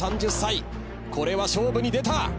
これは勝負に出た！